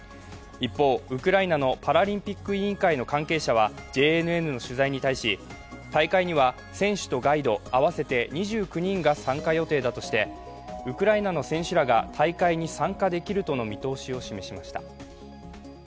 一方、ウクライナのパラリンピック委員会の関係者はＪＮＮの取材に対し、大会には選手とガイド、合わせて２９人が参加予定だとしてウクライナの選手らが大会に参加できるとの見通しを示しました。